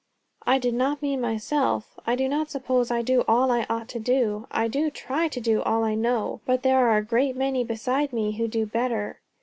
"I did not mean myself. I do not suppose I do all I ought to do. I do try to do all I know. But there are a great many beside me, who do better."